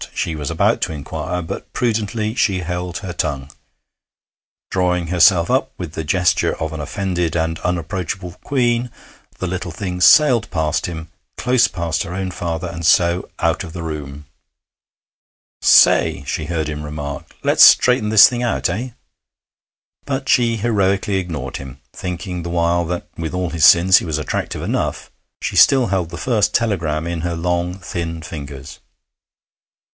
she was about to inquire, but prudently she held her tongue. Drawing, herself up with the gesture of an offended and unapproachable queen, the little thing sailed past him, close past her own father, and so out of the room. 'Say!' she heard him remark: 'let's straighten this thing out, eh?' But she heroically ignored him, thinking the while that, with all his sins, he was attractive enough. She still held the first telegram in her long, thin fingers.